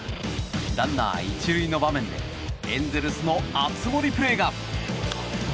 ランナー１塁の場面でエンゼルスの熱盛プレーが。